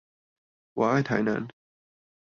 我愛台南